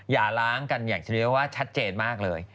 อย่าล้างกันอย่างเฉพาะว่าชัดเจนมากเลย